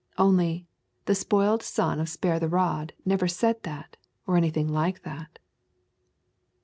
Only, the spoiled son of Spare the Rod never said that, or anything like that.